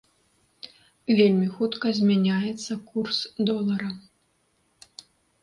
Вельмі хутка змяняецца курс долара.